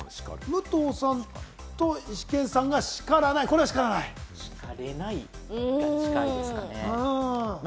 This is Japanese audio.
武藤さんとイシケンさんがししかれないが近いですかね。